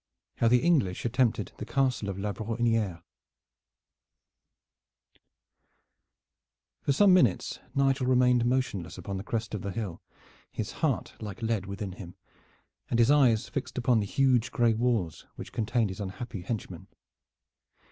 XX. HOW THE ENGLISH ATTEMPTED THE CASTLE OF LA BROHINIERE For some minutes Nigel remained motionless upon the crest of the hill, his heart, like lead within him, and his eyes fixed upon the huge gray walls which contained his unhappy henchman.